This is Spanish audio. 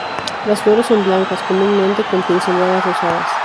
Las flores son blancas, comúnmente con pinceladas rosadas.